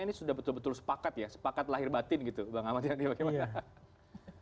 ini sudah betul betul sepakat ya sepakat lahir batin gitu bang ahmad yani bagaimana